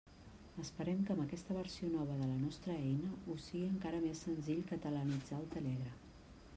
Esperem que amb aquesta versió nova de la nostra eina us sigui encara més senzill catalanitzar el Telegram.